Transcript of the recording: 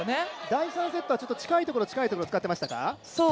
第３セットは近いところ近いところを使ってましたか？